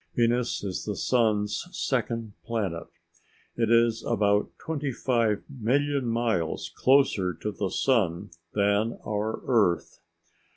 Venus is the Sun's second planet. It is about twenty five million miles closer to the Sun than our Earth.